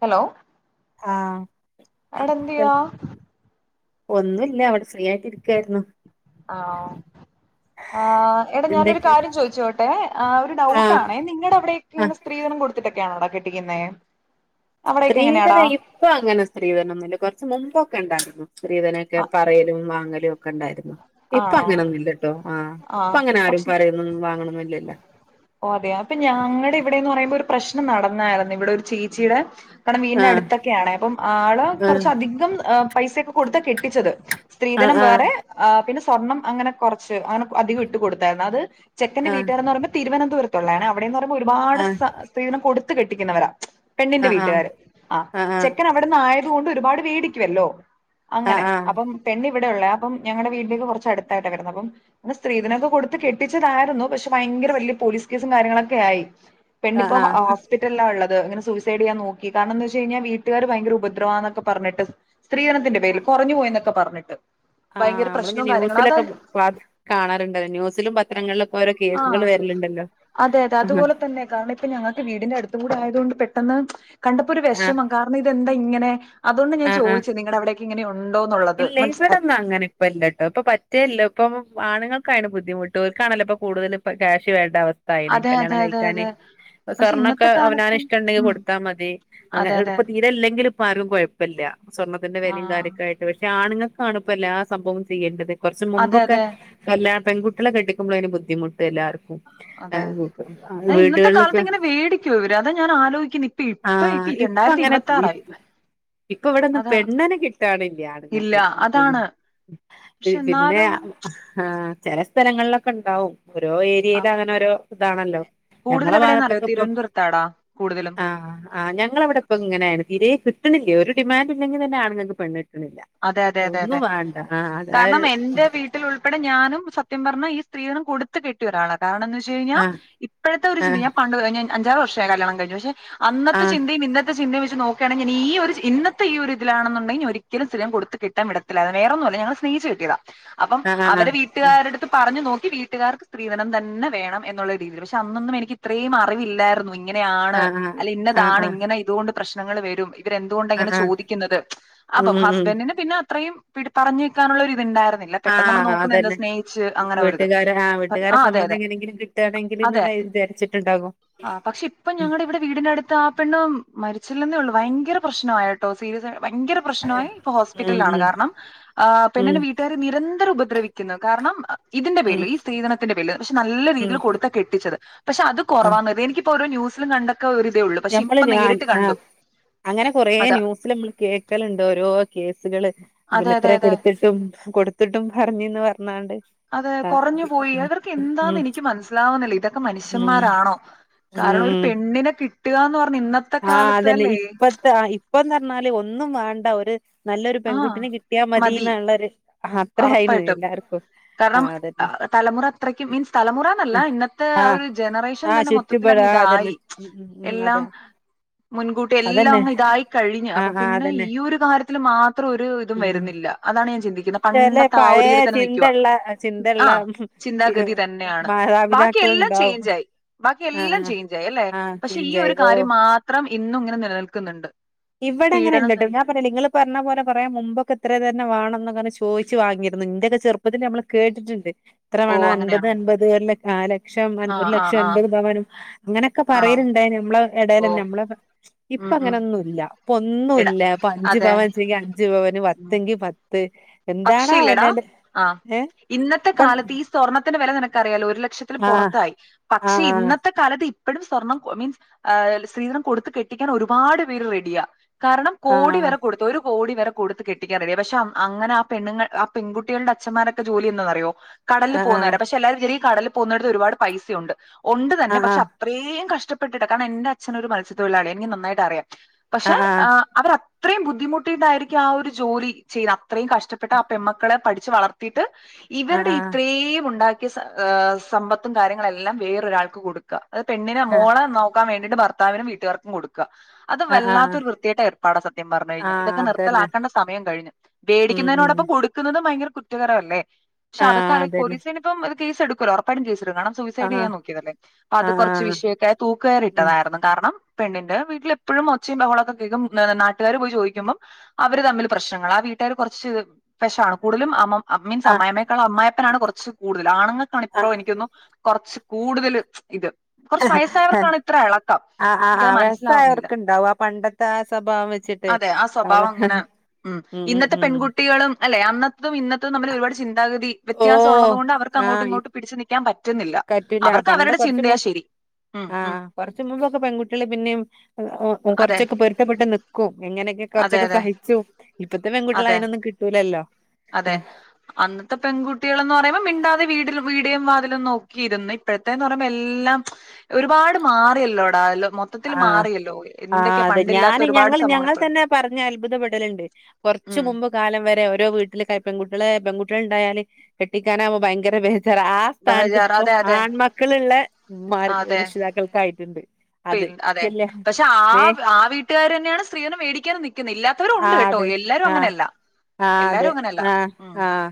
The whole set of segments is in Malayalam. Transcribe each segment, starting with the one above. ഹലോ ആഹ് എടാ എന്തിയ്യാ ഒന്നുല്ല ഇവടെ ഫ്രീയായിട്ട് ഇരിക്കായിരുന്നു ആണോ ആഎടാ ഞാനൊരു എന്തൊക്കെ കാര്യം ചോദിച്ചോട്ടെ ഒരു ആഹ് ഡൗട്ടാണേ ആഹ് നിങ്ങളവിടൊക്കെ സ്ത്രീധനം കൊടുത്തിട്ടൊക്കെയാണോടാ ക കെട്ടിക്കുന്നേ അവിടെയൊക്കെ എങ്ങനെയാടാ സ്ത്രീധനം ഇപ്പം അങ്ങനെ സ്ത്രീധനൊന്നുല്ല കൊറച്ച് മുമ്പോ ക്കണ്ടായിരുന്നു സ്ത്രീധനൊക്കെ ആഹ് പറയലും വാങ്ങലും ക്കേണ്ടായിരുന്നു ഇപ്പ ആണോ അങ്ങനൊന്നുല്ലട്ടോ ആ ഇപ്പ ആഹ് അങ്ങനെ ആരും പക്ഷെ പറയ്നൊന്നും വാങ്നൊന്നും ഇല്ലല്ലോ ഓ അതെയ അപ്പൊ ഞങ്ങടെ ഇവിടെന്ന് പറയുമ്പോ ഒരു പ്രശ്നം നടന്നായിരുന്നു ഇവടെ ഒരു ചേച്ചിടെ ക്കണം വീടിന്റെ ആഹ് അടുത്തൊക്കെയാണ് പ്പം ആള് ആഹ് കുറച്ചധികം ആ പൈസ ഒക്കെ കൊടുത്ത കെട്ടിച്ചത് സ്ത്രീധനം വേറെ ആഹ് ആ പിന്ന സ്വർണം അങ്ങന കൊറച്ച് അന് അതികൊ ഇട്ടു കൊടുത്താര്ന്നു അത് ചെക്കന്റെ ആഹ് വീട്ടാര്ന്ന് അറിമ്പം തുരുവ ദൂരത്തുള്ളെയാണ് അവിടെന്ന് ഒരുപാട് ആഹ് സ സ്ത്രീനം കൊട് ത്ത് കെട്ടിക്ക്ന്നവരാ പെണ്ണിന്റെ ആഹ് വീട്ടാര് ആഹ് ചെക്കനവ്ട്ന്ന് ആയെ തോണ്ട് ഒരുപാട് വേടിക്കുവല്ലോ അങ്ങനെ ആഹ് ആഹ് അപ്പം പെണ്ണി വെടെയുള്ളെയാ അപ്പം ഞങ്ങടെ വീട്ട് [unintelligible] കൊർച് അടുത്തായ്ട്ട കെടന്ന അപ്പം ന്ന് സ്ത്രീധനോക്ക കൊട്ത്ത് കെട്ടിച്ചതാര്ന്നു പക്ഷെ ഭയ്ങ്കര വല്ല്യ പോലീസ് കേസും കാര്യങ്ങളൊക്കെ ആയി പെണ്ണിപ്പം ഹൊ ആഹ് ആഹ് ഓസ്പിറ്റല്ലാള്ളത് ത് അങ്ങനെ സുസൈഡെയ്യാൻ നോക്കി കാര്ണം ന്ന് വെച്ചയ്നാ വീട്ട് ആര് ഭയ്ങ്കര ഉപദ്രവാന്നൊക്കെ പർഞ്ഞ്ട്ട് സ്ത്രീധനത്തിന്റെ പേര്ൽ ആഹ് കൊറഞ്ഞ് പോയിന്നൊ ക്ക പർഞ്ഞ്ട്ട് ഭയ്ങ്കര പ്രശ് ഈ ന്യൂസിലൊക്ക പ കാണല്ണ്ടല്ലോ ന്യൂസിലും പത്രങ്ങൾലൊക്കെ ഓരോ കേസ്കള് ആഹ് വെര്ല്ണ്ടല്ലോ അതെ അതെ അ ഹ് അതുപോലെ തന്നെ പെട്ടന്ന് കണ്ടപ്പൊര് വെഷമം കാർണ ഇതെന്താ ഇങ്ങനെ അതുകൊണ്ടാ ഞാൻ ആഹ് ആഹ് ചോയ്ച്ച് നിങ്ങടെ അവിടെക്ക് ഇങ്ങനെ ഉണ് ഇല്ല ഇവ്ടൊന്നു അങ്ങനെ ഇപ്പ ല്ല ല്ല പ്പ പറ്റേ ല്ല പ്പൊ ആണ്ങ്ങക്കായ്ണ് ബുദ്ധിമുട്ട് ഓൽക്കാണല്ലോ പ്പൊ കൂടുതല് കാശ് വേണ്ട അവസ് ത്തായ്ണ് അതെ കല്യാണം അതെ അതെ കഴിക്കാൻ അതെ പക്ഷെ സ്വർണൊക്കാ ഇന്നത്തെ അവനാൻ കാലത്ത് ഇഷ്ടണ്ടെങ്കിൽ ഉം കൊടുത്താൽ മതി അതെ അതെ തീരെ ഇല്ലെങ്കിലും കൊയപ്പല്ല സ്വർണ്ണത്തിന്റെ വിലയും ആഹ് കാര്യങ്ങളും ഒക്കെ ആയിട്ട്. ആണ്ങ്ങക്കാണ് പ്പൊ എല്ലാ സംഭവോം ചെയ്യണ്ടത് കൊർച് അതെ അതെ മുമ്പൊക്കെ എല്ലാം പെൺങ്കുട്ട്യള കെട്ടിക്കുമ്പളെയ്നി ബുദ്ധിമു ട്ട് എല്ലാർക്കും അതെ അത് ഇന്നത്തെ കാലത്ത് വീട്കള്ലൊക്കെ ഇങ്ങനെ വേടിക്കോ ഇവര് അതാ ഞാൻ ആലോചിക്കുന്നെ ഇപ്പ ഇപ്പ ആഹ് ഇപ്പ രണ്ടായിരത്തി അങ്ങനെ ഇരുപത്താറായി ഇപ്പൊ വെടൊന്നു അതാ പെണ്ണെന്നെ കിട്ടാനി ഇല്ല ആണ്ങ്ങക്ക് [unintelligible] അതാണ് മ്മ് പക്ഷെ പിന്നെയാ എന്നാലും അഹ് ആ ആ ചെല സ്ഥലങ്ങൾലൊക്കെ ണ്ടാവും. ഓരോ ആ ഏര്യേല് അങ്ങനോരോ താണല്ലോ ഞങ്ങള കൂടുതൽ എവിടെന്നറിയോ ഭാഗത്തൊക്കെ പ്പൊ തിരുവനന്തപുരത്താടാ കൂടുതലും ആഹ് ആ ഞങ്ങള വ്ട പ്പൊ ങ്ങനേണ് തീരേ ക് [unintelligible] ഒരു ഡിമാന്റ് ഇല്ലെങ്കിലെ ആണുങ്ങക്കു പെണ്ണ്. കിട്ടണില്ല അതെ അതെ ഒന്നും അതെ വേണ്ട ആഹ് അത് ആ കാരണം, ഒരു എന്റെ വീട്ടിലുൾപ്പെടെ ഞാനും സത്യം പറഞ്ഞാ- ഇ. സ്ത്രീധനം കൊടുത്തു കെട്ടിയൊരാളാണ്. എന്താണു വെച്ചു കഴിഞ്ഞാ, ആഹ് ഇപ്പോഴത്ത ഒരു ആഹ് ചിന്തയും ഞാൻ പണ്ടു മുതൽ ഞാൻ അഞ്ചാറ് വർഷ [unintelligible] കല്യാണം കഴിഞ്ഞ് പക്ഷേ. അന്നത്തെ ആഹ് ചിന്തയും ഇന്നത്തെ ചിന്തയും. നോക്കുകയാണെങ്കിൽ ഈ ഒരു ഇന്നത്തെ ഈ ഒരു ഇതിലാണ്ണുന്നുണ്ടെങ്കിൽ. ഒരി [unintelligible] വേറെയൊന്നും അല്ല ഞങ്ങള് സ്നേഹിച്ചു കെട്ടിയതാ. അപ്പം ആഹ് അവരുടെ ആഹ് വീട്ടുക്കാര്ടെടുത്ത് പറഞ്ഞു നോക്കി. വീട്ടുകാർ സ്ത്രീധനം തന്നെ വേണം എന്നുള്ള രീതിയിൽ അന്നൊന്നും എനിക്ക് ഇത്രയും അറിവില്ലായിരുന്നു. ഇങ്ങനെയാണ് ആഹ് ആഹ് അല്ല ആഹ് ഇന്നതാണ് ആഹ് ഇങ്ങനെ ഇതു കൊണ്ട് പ്രശ്നങ്ങള് വരും. ഇവര് എന്തുകൊണ്ടാ ഇങ്ങനെ ആഹ് ആഹ് ചോദിക്കുന്നത്. ഉം അപ്പം ഉം ഉം ഹസ്ബൻഡിന് പിന്ന. അത്രയും വീട്ടിൽ പറഞ്ഞ് നിൽക്കാന്നുള്ള ഒരു ഇതുണ്ടായിരുന്നു. ന്നില്ല, പെട്ടെന്ന് നമ്മള് ആഹ് നോക്കുന്നതെന്താ അതന്നെ സ്നേഹിച്ച് അങ്ങനെയെരിത്. വീട്ടുകാരെ ആഹ് വീട്ടുകാരെ അ അതെ സമ്മതം അതെ എങ്ങനെങ്കിലും കിട്ടുകയാണെങ്കിൽന്ന് അതെ വിചാരിച്ചിട്ടുണ്ടാകും അ പക്ഷേ ഇപ്പ ഉം ഞങ്ങളുടെ ഇവിടെ വീടിനടുത്ത് ആ പെണ്ണ്. മരിച്ചില്ലെന്നെയുള്ളു വയങ്കര പ്രശ്നമായട്ടോ, സീരിയസായി വയ പ്രശ്നോയി, ഇപ്പ ഉം ഹോസ്പിറ്റലിൽ ആണ് ഉം കാരണം ഉം പെണ്ണിന്റെ വീട്ടുകാര് നിരന്തരം ഉപദ്ര ഉപദ്രവിക്കുന്നു കാരണം. ഇതിന്റെ പേരിൽ ഉം സ്ത്രീധനത്തിന്റെ പേരിൽ പക്ഷേ നല്ല രീതിയിൽ കൊടുത്താണ് കെട്ടിച്ചത്. പക്ഷേ അതു ഉം കുറവാന്ന് എനിക്ക്. ഇപ്പ ഒരു ന്യൂസിലും കണ്ട്. ഞമ്മള് ഞാൻ അ അങ്ങനെ കൊറെ അതാ ന്യൂസില് മ്മള് കേൾക്കലുണ്ട്. ണ്ടോരോ കേസ്. സ്കള് അതെ അതെ ഇത്രെ അതെ കൊടുത്തിട്ടും കൊടുത്തിട്ടും പറഞ്ഞിന്ന് പറഞ്ഞാല്. അതെ കുറഞ്ഞ് പോയി, അവർക്ക് ഉം എന്താന്ന് എനിക്ക് മനസിലാവുന്നില്ല ഇതൊക്കെ ഉം മനുഷ്യന്മാരാണോ? കാരണം ഒരു ഉം പെണ്ണിനെ കിട്ടുക ആ അതെന്നെ ഇപ്പത്ത ഇപ്പ ന്നാല് ഒന്നും വേണ്ട ഒരു നല്ലൊരു പെൺകുട്ടിന കിട്ടിയാൽ മതി ന്നള്ളൊര്. ഉറപ്പായിട്ടും കാരണം, അതന്നെ തലമുറ അത്രയ്ക്ക് മീൻസ് തലമുറയെന്നല്ല. ഇന്നത്തെ ആ ജനറേഷൻ ആ തന്നെ മൊത്തത്തിൽ ചുറ്റുപാട് ആ അതന്നെ അങ്ങിതായി ഉം ഉം ഉം എല്ലാം. അതാ മുൻകൂട്ടി എല്ലാം അതന്നെ അങ്ങിതായി കഴിഞ്ഞ് ആ അപ്പൊ ആ പിന്നെ അതന്നെ ഈയൊരു കാര്യത്തില് മാത്രം ഒരു ഇത് ഉം ഉം വരുന്നില്ല. ആണേ ചെയ്യ് ചില പണ്ടത്ത ആ ഒരു പഴയ ഇതിൽ തന്നെ നിൽകുവാ ചിന്തള്ള ചിന്തള്ള അ ചിന്താഗതി തന്നെ ആണ് ബാക്കി മാതാപിതാക്കൾ എല്ലാം ഉണ്ടാവും ചേഞ്ച്‌ ആയി ബാക്കി ആ എല്ലാം ആ ചേഞ്ച്‌ ആയി അല്ലെ ആഹ് പക്ഷെ ഈ ചേഞ്ചായി ഒരു ഓ കാര്യം മാത്രം ഇന്നും എങ്ങനെ നില നിൽക്കുന്നുണ്ട് ഇവിടെ അങ്ങനെ അല്ല ഞാൻ പറഞ്ഞില്ലേ നിങ്ങൾ പറഞ്ഞ പോലെ പറയാം മുൻപ് ഒക്കെ ഇത്ര തന്നെ വേണം എന്ന് ചോദിച്ച് വാങ്ങിരുന്നു എന്റെ ഒക്കെ ചെറുപ്പത്തിൽ ഞമ്മള് കേട്ടിട്ട് ഉണ്ട് ഇത്ര ഓ വേണം അങ്ങനെയാണോ അൻപതു അൻപതു എന്ന് ലക്ഷം ആഹ് അൻപതു ആഹ് ലക്ഷം ആഹ് എന്ന തുക വേണം അങ്ങനെ ഒക്കെ ആണോ പറയിനി ഉണ്ടായിരുന്നു ഓ ഇടേലഞ്ഞെ ഞമ്മള് ഇപ്പ ഉം ഉം അങ്ങനെ ഒന്നുമില്ല എടാ ഒന്നുല്ല അഞ്ചു അതെ പവൻ ഇച്ചേകി അഞ്ചു പവൻ പത്തു എങ്കിൽ പത്തു പക്ഷെ ഇല്ലെടാ അ ഏഹ് ഇന്നത്തെ ഇപ്പം കാലത്ത് ഈ സ്വർണ തിന്നു വില നിനക്ക് അറിയാമല്ലോ ഒരു ലക്ഷത്തിനു ആഹ് പുറത്ത് ആയി പക്ഷെ ആഹ് ഇന്നത്തെ കാലത്ത് ഇപ്പഴും സ്വർണം മീൻസ് സ്ത്രീധനം കൊടുത്ത് കെട്ടിക്കുന്ന ഒരുപാട് പേര് റെഡിയാ കാരണം കോടി ആഹ് വരെ കൊടുത്തു ഒരു കോടി വരെ കൊടുത്ത് കെട്ടിക്കാൻ റെഡിയാ പക്ഷേ അങ്ങനെ പെണ്ണുങ്ങൾ ആ പെൺകുട്ടികളുടെ അച്ഛമാര ഒക്കെ ജോലി എന്തുവാ എന്ന അറിയോ കടലിൽ ആഹ് പോകുന്നവര പക്ഷെ എല്ലാവരും [unintelligible] കടലിൽ പോകുന്നവരട്ത്ത് ഒരുപാട് പൈസ ഒണ്ട്- ഒണ്ട് ആഹ് തന്നെ പക്ഷെ അത്രേം കഷ്- കഷ്ടപ്പെട്ടിട്ട കാരണം എന്റെ അച്ഛനൊരു മത്സ്യ തൊഴിലാളിയ എനിക്ക് നന്നായിട്ട് അറിയാം- ആഹ് പക്ഷെ ആ ആഹ് അവര് ഒ അത്രേം മുദ്ധിമുട്ടിട്ട് ആയിരിക്കും ആ ഒരു ജോലി ചെയ്യാ അത്രേം കഷ്ട്ട പെട്ട് ആ പെണ്മക്കളെ പഠിച്ച് വളത്തീട്ട്- ആഹ് ഇവരുടെ ആഹ് ആഹ് ഇത്രേം ഉണ്ടാ- ഈ സ സമ്പത്തും കാര്യങ്ങളെല്ലാം വേറൊരാൾക്കു കൊടുക്ക്അ- അത് പെണ്ണിനെ മോളെ നോക്കാൻ വേണ്ടി - എന്നിട്ട് ഭർത്താവിനും വീട്ടുകാർക്കും കൊടു- ക അത് ആഹ് ആഹ് വല്ലാത്ത ആഹ് ഒരു വൃത്തികെട്ട ഏർപ്പാട സത്യം പറഞ്ഞു കഴിഞ്ഞ ആഹ് ഇതൊക്കെ അതന്നെ നിർത്തലകെണ്ട സമയം കഴിഞ്ഞു വേടി- ഉം ഉം ഇതോടൊപ്പം കൊടുക്കുന്നത്- തും ഭയകര കുറ്റകരം അല്ലെ? പക്ഷെ അതൊക്കെ ആഹ് ആലോചിക്കുമ്പം അതന്നെ പോലീസ് തന്നിപ്പം- ഫീസ് ഇട്‌കൂലാ ഒറപ്പായിട്ടും ഫീസ് ഇട്ട് കാണം സൂയിസൈഡ് ആഹ് ചെയ്യാൻ നോക്കിയതല്ലേ അത് ആഹ് കുറച്ച് ആഹ് വിഷയൊക്കെ തൂക്ക് കയർ ഉം ഇട്ടതായിരുന്നു കാരണം- പെണ്ണിൻ്റെ വീട്ടിൽ എപ്പഴും ഒച്ചയും ബഹളൊക്കെ കേക്കും എന്നാൽ നാട്ടുകാർ പോയി ചോദിക്കുമ്പം അവർ തമ്മിൽ പ്രശ്നങ്ങള ആ വീട്ടുകാർ- കുറച്ച് പെശകാണ് കൂടുതലും അമ്മ അമ്മയും ആഹ് അമ്മായിയമ്മയെക്കാളും അപ്പായിയപ്പനാണ് കുറച്ച് കൂടുതൽ ആണുങ്ങൾക്കാണ് ഇപ്പോ ആഹ് എനിക്ക് തോന്നുന്നു കുറച്ച് കൂടുതൽ ഇത് കുറച്ച് വയസ്സായവർക്കാണ് ഇത്ര ഇളക്കം ആ ആ ആ എനിക്കത് മനസ്സിലാവുന്നില്ല വയസ്സായവർക്കുണ്ടാവും ആ പണ്ടത്തെ ആ സ്വഭാവം വച്ചിട്ടേ അതെ ആ അവർ സ്വഭാവം അങ്ങനെ ഉം ഉം ഉം പെൺകുട്ടികളും അല്ലേ അന്നത്തേതും ഇന്നത്തേതും തമ്മിൽ ഒരുപാട് ചി ഓ ആ ഇ ഇങ്ങോട്ടും പിടിച്ചു നിൽക്കാൻ പറ്റുന്നില്ല. പറ്റൂല്ല അവർക്ക് പണ്ട് അവരുടെ കുറച്ച് മു ചിന്തയാ ശരി. ഉം ആ ആ ഉം. കുറച്ച് മുമ്പൊക്കെ പെൺകുട്ടികൾ പിന്നെയും അ ഓ അതെ കുറച്ചൊക്കെ പൊരുത്തപ്പെട്ട് നിക്കും എങ്ങനൊക്കെ അതെ കുറച്ചൊക്കെ അതെ സഹിച്ചും ഇപ്പ ത്തെ പെൺകുട്ടികളെ അതെ അയിനൊന്നും കിട്ടൂല ല്ലോ അതെ അന്നത്തെ പെൺകു ട്ടികളെന്ന് പറയുമ്പോ മിണ്ടാതെ വീടിൽ വീ ടിനെയും വാതിലും നോക്കിയിരുന്ന് ഇപ്പഴത്തെന്ന് പറയുമ്പോ എല്ലാം ഒരുപാട് മാറിയല്ലോടാ എല്ലാം ആ ആ അതെ പണ്ടില്ലാത്ത ഞാൻ ഒരുപാട് ഞങ്ങൾ സംഭവങ്ങൾ ഇപ്പഴുണ്ട്. ഞങ്ങൾത്തന്നെ പറഞ്ഞ് അത്ഭുതപ്പെടലുണ്ട് കുറച്ച് ഉം. മുമ്പ് കാലം വരെ ഓരോ വീ ട്ടിലൊക്കയെ പെൺകുട്ടിളേ പെൺകുട്ടികളുണ്ടായാല് കെട്ടിക്കാനാവുമ്പോ ഭയങ്കര ബേ ജാർ ആ സ്ഥാനത്ത് ബഹജാർ ഇപ്പോ അതെ അതെ ആൺമക്കളുള്ള ഉമ്മമാർ അതെ രക്ഷിതാക്കൾക്കായിട്ടുണ്ട് അത് പിന്നെ അതെ കല്യാ പക്ഷെ ആ നേ ആ വീട്ടുകാരന്നെയാണ് സ്ത്രീധനം വേടിക്കാനും നിക്കുന്നെ ഇല്ലാത്തവരും ഉണ്ട് ആഹ് കേട്ടോ അതെ എല്ലാരും ആഹ് അങ്ങനെയല്ല ആഹ് അതെ എല്ലാരും അങ്ങനെയല്ല ആഹ് ഉം ആഹ്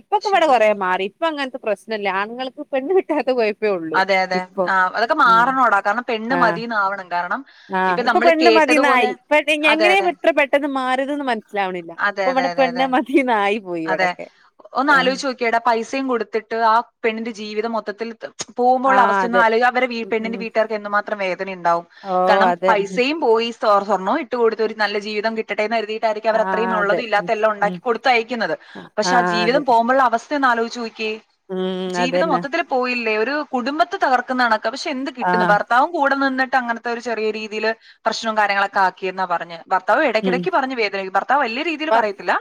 ഇപ്പൊക്കെ പക്ഷെ ഇവിടെ കൊറേ മാറി ഇപ്പൊ അങ്ങനത്തെ പ്രശ്നല്ല ആണുങ്ങൾക്ക് പെണ്ണ് കിട്ടാത്ത കൊയ അതെ അതെ ആ അതൊക്കെ മാറാണോടാ കാരണം പെണ്ണ് ആഹ് മതീന്ന് ആവണം കാരണം ഇപ്പൊ ആഹ് നമ്മള് പെണ്ണ് കേട്ടതുപോലെ മതിന്നായി പെ അതെ എങ്ങനെ അതെ ഇത്ര പെട്ടെന്ന് മാറിയതെന്ന് മനസ്സിലാവണില്ല അതെ ഇപ്പൊ അതെ ഇവിടെ അതെ പെണ്ണ് അതെ മതിന്നായി പോയി അതെ ഇവിടൊക്കെ ഏഹ് ഒന്നാലോചിച്ച് നോക്കിയേടാ പൈസയും കൊടുത്തിട്ട് ആ പെണ്ണിൻ്റെ ജീവിതം മൊ ട്ടത്തിൽ തം പോകുമ്പോ ഒള്ള ആഹ് അവസ്ഥയൊന്ന് അതെ ആലോയ് അവരെ വീ ഉം പെണ്ണിൻ്റെ ഉം വീട്ടുകാർക്ക് എന്ത് മാത്രം വേദനയുണ്ടാവും ഓ കാരണം അതെ പൈസയും പോയി തോർ സ്വർണ്നോം ഇട്ട് കൊടുത്തൊരു നല്ല ജീവിതം കിട്ടട്ടെന്ന് കരുതി ട്ടായിരിക്കാം ആഹ് അവരത്രയും അതെ ഒള്ളതും ഉം ഇല്ലാത്തെയെല്ലാം ഉം ഒണ്ടാക്കി കൊടുത്തയക്കുന്നത് പക്ഷെ ആ ആഹ് അതെ ജീവിതം പോവുമ്പോള്ള അവസ് ത്തയൊന്ന് ആലോചിചോ കേ ഉം ജീവിതം അതന്നെ മൊത്തത്തിൽ പോയി രു കുടുംബത്തെ തകർക്കുന്നതാണ് പക്ഷെ എന്ത് കിട്ട്ന്ന് ആഹ് ഭർത്താവും കൂടെ നിന്ന് ട്ട് അങ്ങനത്തെ ഒരു ചെറിയ രീതില് പ്രശ്നം കാര്യങ്ങളൊക്കെ ആക്കിയെന്ന പറഞ്ഞേ ഭർത്താവ് ഉം എടക്കിടക്ക് പറഞ്ഞ് വേദനി ഭർത്താവ് എല്ലാ രീതിൽ വർ പറയത്തില്ല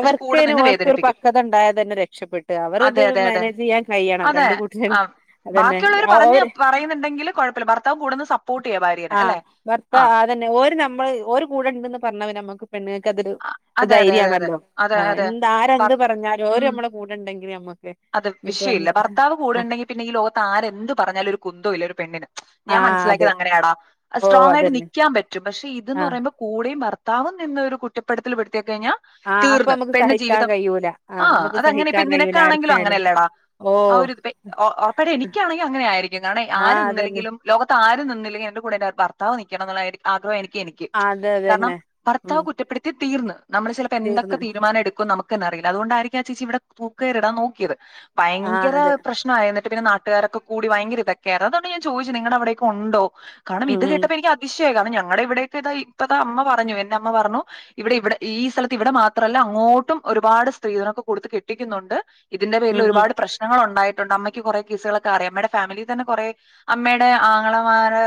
പക്ഷെ കൂടെ നിന്ന് ഓർക്കൊരു വേദനിപ്പിക്കും പക്വത ഉണ്ടായാ തന്നെ രക്ഷപ്പെട്ട് അവരിത് അതെ അതെ അതെ മാനേജ് ചെയ്യാൻ കഴിയണം അതെ രണ്ട് കൂട്ടരും ആ അതന്നെ ബാക്കി ഒള്ളവർ അവര് പറഞ്ഞു പറയുന്നുണ്ടെങ്കില് കൊഴപ്പല്ല ഭർത്താവ് കൂടെ ഒന്ന് സപ്പോർട്ട് ചെയ്യാ ഭാര്യനെ ആഹ് അല്ലേ ഭർത്താ പറഞ്ഞ പിന്നെ നമ്മക്ക് പെണ്ണ്ങ്ങൾക്ക് അത് ഒരു അതെ ധൈര്യം അതെ അതെ ആണല്ലോ അതെ ആ അതെ ആര് ഭർ ന്ത്‌ പറഞ്ഞാലും ഓര് ഉം നമ്മടെ കൂടെ ഉണ്ടെങ്കി [unintelligible] അത് വിഷയവില്ല ഭർത്താവ് കൂടെ ഒണ്ടെങ്കി പിന്നെ ഈ ലോകത്ത് ആര് ന്ത്‌ പറഞ്ഞാലും ഒരു കുന്തവും ഇല്ല ഒരു പെണ്ണിന് ഞാൻ ആഹ് അതെ മനസ്സിലാക്കിയത് അങ്ങനെ ആടാ ഓ സ്ട്രോങ്ങ്‌ ആയിട്ട് അതന്നെ നിക്കാൻ പ റ്റും പക്ഷെ ഇതെന്ന് ആഹ് പറയുമ്പോ കൂടെയും ഭ ത്താവും നിന്നൊരു കുറ്റപ്പെടുത്തൽ പെടുത്തിയ കഴിഞ്ഞ ആഹ് അപ്പൊ തീർന്ന് നമുക്ക് പെണ്ണ് സഹിക്കാൻ ജീവിതം കഴിയൂല ആ ആഹ് നമുക്ക് അത്അങ്ങനെ സഹിക്കാൻ നിനക്ക് കഴിയൂല ആണെങ്കിലും അങ്ങനെ ആർക്കായാലും അല്ലേടാ ഓ ആ ഒരു ഉറപ്പായിട്ടും എനിക്ക് ആണെങ്കി അങ്ങനെ ആയിരിക്കും കാരണം ആര് ആഹ് അതന്നെ നിന്നിലേങ്കിലും ലോകത്ത് ആര് നിന്നിലേങ്കിലും ന്റെ കൂടെ ന്റെ ഹസ്ബൻ ഭർത്താവ് നിക്കണം ന്ന് ഉള്ള ആഗ്രഹംനിക്ക് എനിക്ക് ആ അതെ കാരണം അതന്നെ ഭർത്താവ് ഉം കുറ്റപ്പെടുത്തി തീർന്ന് നമ്മള് ചെലപ്പോ എന്തെക്കെ തീർന്ന് തീരുമാനം എടുക്കുന്നു നമുക്ക് ക്കന്നെ റിയില്ല അത് കൊണ്ട് ആയിരിക്കാം ആ ചേച്ചി ഇവിടെ തൂക്ക് കയർ ഇടാൻ നോക്കിയത് ആഹ് ഭയങ്കര അതെ പ്രശ്നം ആയനെ പിന്നെ നാട്ട്കാര് ഒക്കെ കൂടി ഭയങ്കര ഇതൊക്കെ ആയിരുന്നു അത്കൊണ്ട ഞാൻ ചോദിച്ചേ നിങ്ങടെ അവിടെ ഒക്കെ ഉണ്ടോ കാരണം ഉം ഇത് ഉം കേട്ടപ്പോ എനിക്ക് അതിശയം ആയി കാരണം ഞങ്ങടെ ഇവിടെ ഒക്കെ ഇതാ ഇപ്പതാ അമ്മ പറഞ്ഞു എന്റെ അമ്മ പറഞ്ഞു ഇവിടെ ഇവിടെ ഈ സ്ഥലത്ത് മാത്രല്ല അങ്ങോട്ടും ഒരുപാട് സ്ത്രീധനം ഒക്കെ കൊടുത്തു കെട്ടിക്കുന്നുണ്ട് ഇതിന്റെ പേരിൽ ഉം ഒരുപാട് പ്രശ്നങ്ങൾ ഉണ്ടായി അമ്മക്ക് കുറെ കേസുകൾ ഒക്കെ അറിയാം അമ്മേടെ ഫാമിലി തന്നെ കുറേ അമ്മേടെ ആങ്ങള മാരെ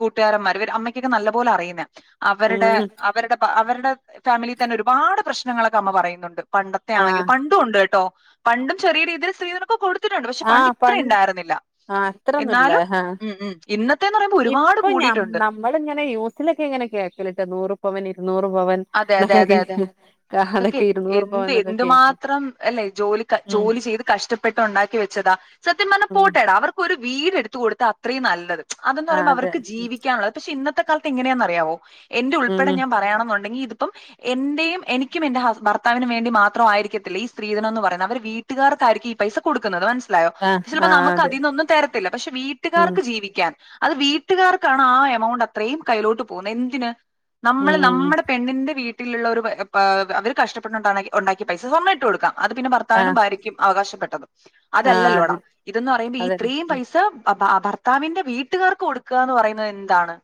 കൂട്ടുകാരൻ മാര് അമ്മക്ക് ഒക്കെ നല്ലത് പോലെ അറിയുന്നയ ഉം അവരുടെ ഉം അവരുടെ ഭാ ഫാമിലി തന്നെ ഒരുപാട് പ്രശ്നങ്ങൾ ഒക്കെ അമ്മ പറയുന്നുണ്ട് പണ്ടത്തെ ആണെകിലും ആഹ് പണ്ടും ഉണ്ട് കേട്ടോ പണ്ടും ചെറിയ രീതിയിൽ സ്ത്രീധനം ഒക്കെ കൊട് ആ പണ്ട് ആ ഇത്ര ഒന്നും ഇല്ല എന്നാലും ആ ഉം ഉം ഇന്നത്തെ എന്ന് പറയുമ്പോൾ ഒരുപാട് ഇപ്പൊ കൂടിയിട്ടുണ്ട് നമ്മള് ഇങ്ങനെ ന്യൂസ്‌ലൊക്കെ കേക്കല് നൂർ പവൻ ഇരുന്നൂറ് പവൻ അതെ അതെ എന്നൊക്കെ അതെ അതെ കേക്ക അതൊക്കെ ഇരുന്നൂറ് പവൻ എന്ത് എന്നൊക്കെ കേക്കും എന്തുമാത്രം ഇല്ലേ ജോലി ഉം ജോലിചയ്തു കഷ്ടപെട്ട് ഒ ണ്ടാക്കി വച്ചതാ സത്യം പറഞ്ഞ ഉം പോട്ടെടാ അവർക്ക് ഒരു വീട് എടുത്തു കൊടുത്ത അത്രേം നല്ലത് അതെന്ന് ആ പറയുമ്പോ അതെ അവർക്ക് ജീവിക്കാൻ ഉള്ളത് പക്ഷെ ഇന്ന ഇന്നത്തക്കാലത്ത് ഇങ്ങയെന്നറിയാവോ എന്തുൾപ്പടെ ഉം ഞാൻ മലയാളം പടി ടങ്ങിയിതിപ്പം എന്റെയും എനിക്കും എന്റെ ഹസ് ബറത്താവിനും വേണ്ടി മാത്രമായിരിക്കത്തില്ല സ്ത്രീധനോന്ന് പറയുന്നേ അവര് വീട്ടുകാർക്കായിരിക്കും ഈ പൈസ കൊടുക്കുന്നത് മനസ്സ് സിലായോ ആ ആ ചിലപ്പോൾ അതെ നമക്കതി കൊന്നും തരത്തില്ല പക്ഷേ ഉം വീട്ടുകാർക്ക് ജീവിക്കാൻ അത് വീട്ട്ക്കാർക്കാണ് ആ എമൗണ്ട്അത്രേം കൈ ലോട്ട് പോകുന്നേ എന്തിന് നമ്മള് ഉം നമ്മൾ ന്റെ വീട്ടിലുള്ളോരു പ അവര് കഷ്ടപ്പെണ്ടാവണങ്കി ഉണ്ടാക്കിയ പൈസ സ്വർണായിട്ടു കൊടുക്കാം അതുപിന്നെ ആ ബർത്താവിനും ബാര്യക്കും അവകാശപ്പെട്ട ആ അതല്ലല്ലോടാ അതെ ഇതന്ന് പറയുമ്പ ഈ അതന്നെ ത്രയും ഉം പൈസ അ പ പർത്താവിന്റെ വീട്ടുകാർക്ക് കൊടുക്കാന്ന് പറയുന്നേ എന്താണ്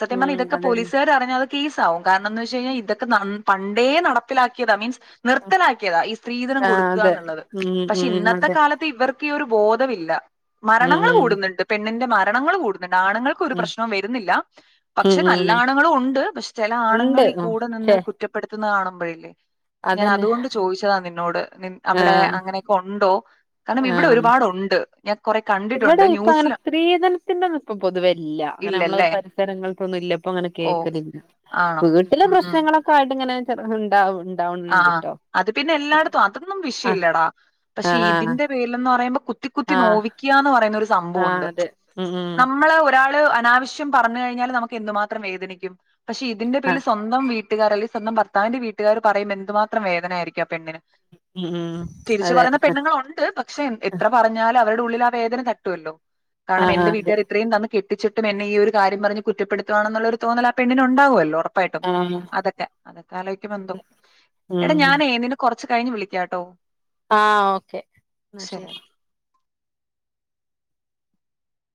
സത്യം ഉം പറഞ്ഞാൽ ഇതൊക്ക അതന്നെ പോലീസാര് അറിഞ്ഞാല് കേസാവും ന്നാന്നുവച്ചഴിഞ്ഞ ഇതൊക്ക നൻ പണ്ടേ നടപ്പിലാക്കിയതാ മീൻസ് നിർത്തലാക്കിയതാ ഈ സ്‌ത്രീധനം ആ അതെ കൊടുക്കാനുള്ളത് ഉം പക്ഷേ ഉം ഇന്നത്ത അതെ കാലത്ത് ഇവർ ക്ക്യൂരു ബോധവില്ല ഉം മരണങ്ങള് ഉം കൂടുന്നിണ്ട് പെൺ ണ്ണിൻ്റെ മരണങ്ങള് കൂടു നിണ്ണാണുങ്ങൾക്കൊരു ഉം പ്രശ്‌നോം വരുന്നില്ല ഉം പക്ഷേ ഉം നല്ലാണുങ്ങളും ഉണ്ട് പക്ഷെ ചെലാണുങ്ങ ഉണ്ട് നിങ്ങളി ഉം കൂട നിന്ന് ഛെ കുറ്റപ്പെടു ഇല്ലേ കാണമ്പഴേ അതന്നെ ഞാനതുകൊണ്ട് ചോയിച്ചതാ നിന്നോട് നിൻ ആ അവിടെ അങ്ങനെ ക്കെ ഒണ്ടോ കാരണം ഇവിടൊരുപാട് ഉണ്ട് ഇവിടയിപ്പം അങ്ങന സ്ത്രീധനത്തിൻ്റെ ഇപ്പ പൊതുവേ രില്ല അങ്ങനെ നമ്മള് ഇല്ലല്ലേ? പരിസ്സരങ്ങൾക്കൊന്നില്ല ഇപ്പങ്ങനെ ഓ! കേക്കണില്ല ആണോ? പൊതു ചില ഉം, ഉം. പ്രശ്നങ്ങളൊക്ക വരുണ്ട് ഇങ്ങനെ ചെറുത്ണ്ടാവും ആ ആ അതുപിന്നെ എല്ലാടത്തും അതൊന്നും ആഹ് വിഷെയമില്ലടാ പക്ഷേ ആഹ് ഇതിൻ്റെ പേരിലെന്നു പറയുമ്പോ കുത്തി കുത്തി ആഹ് നോവിക്കാന്ന് പറയുന്നൊരു ആഹ് സംഭവുണ്ട് അതെ ഉം ഉം നമ്മള് പോൽ ഒരാള് അനാവശ്യം പറഞ്ഞഴിഞ്ഞാല് നമുക്ക് എന്തു മാത്രം വേദനിക്കും പക്ഷേ ഇതിൻ്റെ പേരില് ആഹ് സ്വന്തം വിട്ട്ക്കാരല് സ്വന്തം ഭർത്താവിൻ്റെ വീട്ട്കാരൊ പറയുമ്പേ എന്തുമാത്രം വേദനയായിരിക്കും ആ പെണ്ണിന് ഉം ഉം തിരിച്ചു അതെ പറയുന്ന പെണ്ണുങ്ങളൊണ്ട് പക്ഷേ എത്ര പറഞ്ഞാലവൾ ഉള്ളിലാവേദന തട്ടുവല്ലോ [unintelligible] കാരണം ആഹ് എന്റൈ അതെ വീട്ടുകാര് ഇത്രയും തന്നിട്ടും - കിച്ചുട്ടനെന്നെയീ ഒരുകാര്യംപറഞ്ഞ് കുറ്റപ്പെടുത്തുവാണെന്നുള്ളര്തോന്നല് ആപെണ്ണിനൊണ്ടാവുവല്ലൊ ഉറപ്പയിട്ടും ആഹ് അതന്ന അതക്കാലോയ്ക്കുമ്പം ന്തൊ എട ഞാനേ നിന്ന കൊറ ഇച്ച് കയിഞ്ഞ് വിളിക്കാട്ടൊ ആ ഓകെ ന ശെരി